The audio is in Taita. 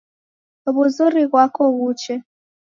W'uzuri ghwako ghuche